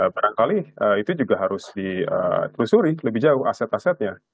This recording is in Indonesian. barangkali itu juga harus ditelusuri lebih jauh aset asetnya